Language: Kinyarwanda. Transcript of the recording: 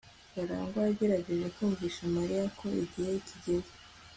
karangwa yagerageje kumvisha mariya ko igihe kigeze